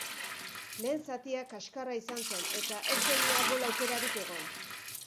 Lehen zatia kaskarra izan zen eta ez zen ia gol aukerarik egon.